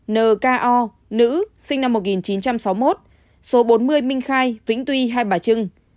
nhko nữ sinh năm một nghìn chín trăm sáu mươi một số bốn mươi minh khai vĩnh tuy hai bà trưng